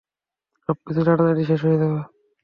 সবকিছুই তাড়াতাড়ি শেষ হয়ে যাবে।